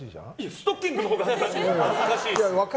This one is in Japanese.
ストッキングのほうが恥ずかしい。